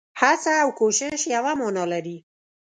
هڅه او کوښښ يوه مانا لري.